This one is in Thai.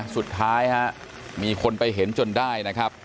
สุดท้ายฮะมีคนไปเห็นจนได้นะครับ